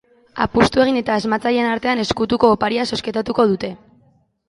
Apustu egin eta asmatzaileen artean ezkutuko oparia zozketatuko dute.